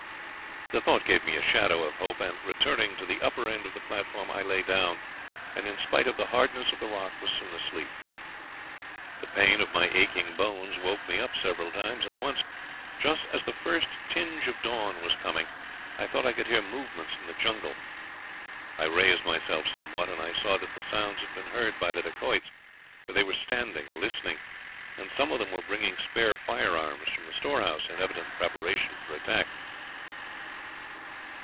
"The thought gave me a shadow of hope, and, returning to the upper end of the platform, I lay down, and in spite of the hardness of the rock, was soon asleep. The pain of my aching bones woke me up several times, and once, just as the first tinge of dawn was coming, I thought I could hear movements in the jungle. I raised myself somewhat, and I saw that the sounds had been heard by the Dacoits, for they were standing listening, and some of them were bringing spare firearms from the storehouse, in evident preparation for attack.